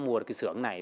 mua cái sưởng này